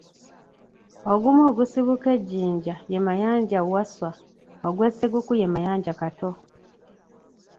Ogumu ogusibuka e Jjinja ye Mayanja Wasswa, ogw'e Sseguku ye Mayanja Kato.